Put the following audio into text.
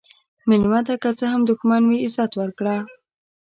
مېلمه ته که څه هم دښمن وي، عزت ورکړه.